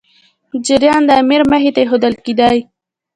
جریان د امیر مخي ته ایښودل کېدی.